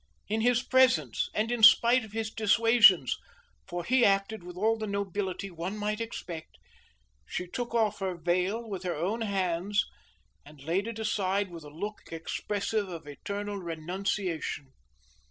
In his presence, and in spite of his dissuasions (for he acted with all the nobility one might expect) she took off her veil with her own hands and laid it aside with a look expressive of eternal renunciation.